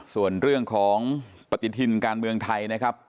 ส่วนเรื่องของปฏิทินการเมืองไทยนะครับ